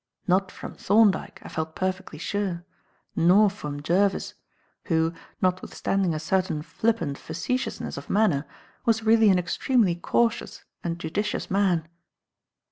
Not from Thorndyke, I felt perfectly sure; nor from Jervis, who, notwithstanding a certain flippant facetiousness of manner, was really an extremely cautious and judicious man.